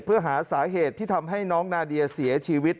เพื่อหาสาเหตุที่ทำให้น้องนาเดียเสียชีวิต